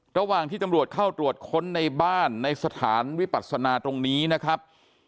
ระหว่างที่ตำรวจเข้าตรวจค้นในบ้านในสถานวิปัศนาตรงนี้นะครับ